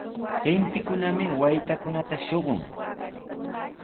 Kintikunami waytakunata shuqun.